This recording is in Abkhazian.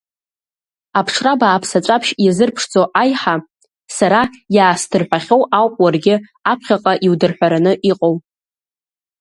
Аԥшра бааԥс аҵәаԥшь иазырԥшӡо аиҳа, сара иаасдырҳәахьоу ауп уаргьы аԥхьаҟа иудырҳәараны иҟоу.